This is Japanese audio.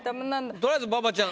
とりあえず馬場ちゃん